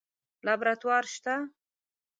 لابراتوار شته؟